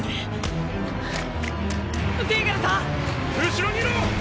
後ろにいろ！